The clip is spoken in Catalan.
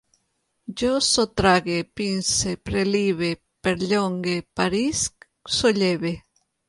Jo sotrague, pince, prelibe, perllongue, parisc, solleve